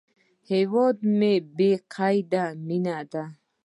هیواد مې بې له قیده مینه ده